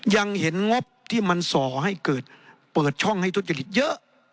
ยังเห็นงบที่มันส่อให้เกิดเปิดช่องให้ทุจริตเยอะ